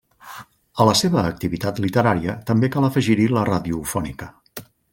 A la seva activitat literària també cal afegir-hi la radiofònica.